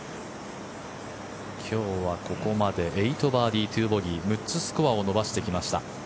今日はここまで８バーディー、２ボギー６つスコアを伸ばしてきました。